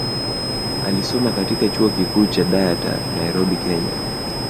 Alisoma katika chuo kikuu cha Dayatar Nairobi Kenya